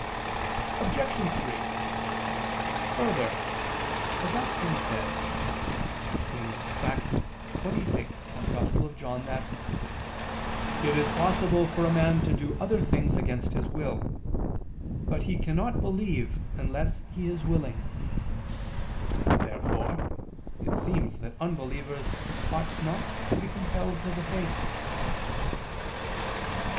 Obj. 3: Further, Augustine says (Tract. xxvi in Joan.) that "it is possible for a man to do other things against his will, but he cannot believe unless he is willing." Therefore it seems that unbelievers ought not to be compelled to the faith.